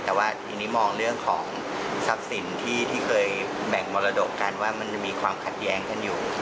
แต่ว่าทีนี้มองเรื่องของทรัพย์สินที่เคยแบ่งมรดกกันว่ามันยังมีความขัดแย้งกันอยู่